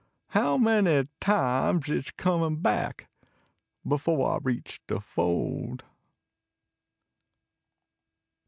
How many times it s comiu back Helb I reach de fold.